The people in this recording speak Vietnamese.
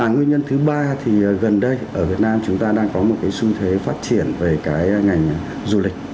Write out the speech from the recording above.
nguyên nhân thứ ba thì gần đây ở việt nam chúng ta đang có một cái xu thế phát triển về cái ngành du lịch